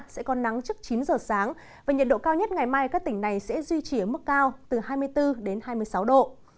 sẽ có nắng trước chín giờ sáng và nhiệt độ cao nhất ngày mai các tỉnh này sẽ duy trì ở mức cao từ hai mươi bốn đến hai mươi sáu độ